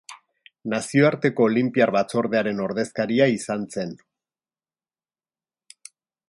Nazioarteko Olinpiar Batzordearen ordezkaria izan zen.